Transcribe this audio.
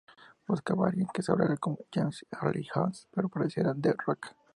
Buscaban a alguien que "hablara como "James Earl Jones", pero pareciera "The Rock"".